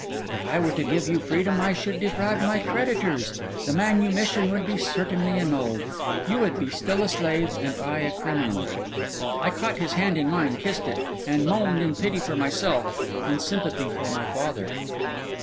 If I were to give you freedom, I should defraud my creditors; the manumission would be certainly annulled; you would be still a slave, and I a criminal.' I caught his hand in mine, kissed it, and moaned in pity for myself, in sympathy for my father.